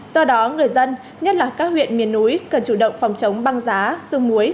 do đó người dân nhất là các huyện miền núi cần chủ động phòng chống băng giá xương muối